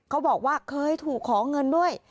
เขาบอกว่าเคยถูกขอเงินด้วย